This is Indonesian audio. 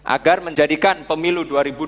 agar menjadikan pemilu dua ribu dua puluh